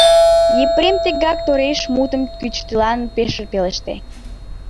Епрем тегак тореш мутым кӱтӱчылан ыш пелеште.